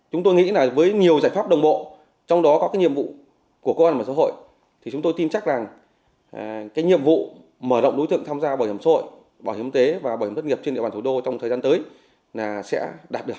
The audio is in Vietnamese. chúng tôi nghĩ là với nhiều giải pháp đồng bộ trong đó có cái nhiệm vụ của cơ quan bảo hiểm xã hội thì chúng tôi tin chắc rằng cái nhiệm vụ mở rộng đối tượng tham gia bảo hiểm xã hội bảo hiểm tế và bảo hiểm thất nghiệp trên địa bàn thủ đô trong thời gian tới là sẽ đạt được